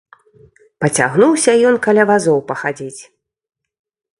Пацягнуўся ён каля вазоў пахадзіць.